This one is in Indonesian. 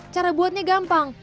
cara buatnya gampang